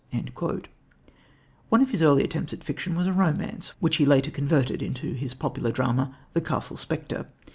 " One of his early attempts at fiction was a romance which he later converted into his popular drama, The Castle Spectre.